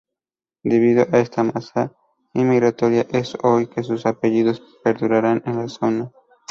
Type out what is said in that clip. Debido a esta masa inmigratoria es hoy que sus apellidos perduran en la zona.